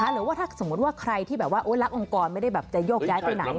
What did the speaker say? หรือว่าถ้าสมมุติว่าใครที่แบบว่ารักองค์กรไม่ได้แบบจะโยกย้ายไปไหน